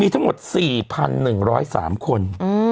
ทั้งหมด๔๑๐๓คน